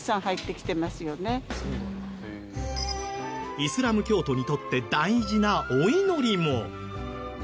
イスラム教徒にとって大事なお祈りも。